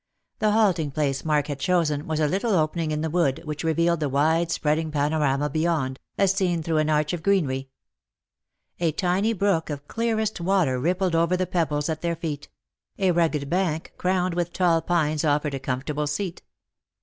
The halting place Mark had chosen was a little opening in the wood, which revealed the wide spreading panorama beyond, as seen through an arch oi Lost for Love. 137 greenery. A tiny brook of clearest water rippled over the pebbles at their feet ; a rugged bank crowned with tall pines offered a comfortable seat.